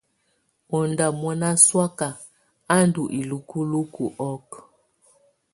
Ɔ ndá mɔná sɔaka a ndɔ ilúkuluku ɔ́k.